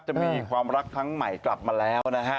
จะมีความรักครั้งใหม่กลับมาแล้วนะฮะ